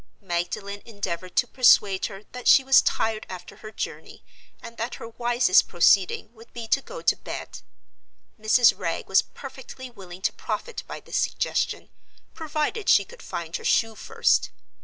Magdalen endeavored to persuade her that she was tired after her journey, and that her wisest proceeding would be to go to bed. Mrs. Wragge was perfectly willing to profit by this suggestion, provided she could find her shoe first.